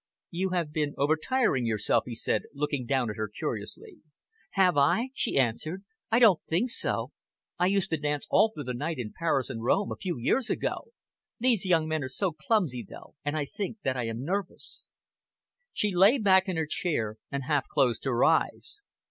"You have been overtiring yourself," he said, looking down at her curiously. "Have I?" she answered. "I don't think so. I used to dance all through the night in Paris and Rome, a few years ago. These young men are so clumsy, though and I think that I am nervous." She lay back in her chair and half closed her eyes.